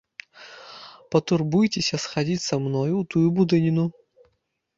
Патурбуйцеся схадзіць са мною ў тую будыніну!